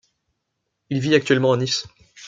Il vit actuellement à Nice.